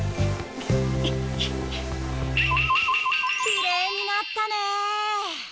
きれいになったね！